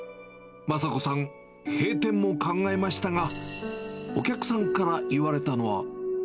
マサ子さん、閉店も考えましたが、お客さんから言われたのは。